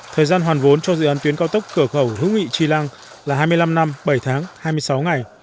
thời gian hoàn vốn cho dự án tuyến cao tốc cửa khẩu hữu nghị tri lăng là hai mươi năm năm bảy tháng hai mươi sáu ngày